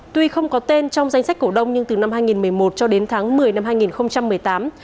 tuy không có tên trong danh sách cổ đông nhưng từ năm hai nghìn một mươi một cho đến tháng một mươi năm hai nghìn một mươi tám